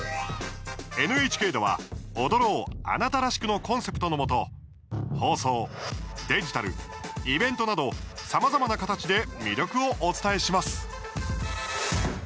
ＮＨＫでは「踊ろう、あなたらしく。」のコンセプトのもと放送、デジタル、イベントなどさまざまな形で魅力をお伝えします。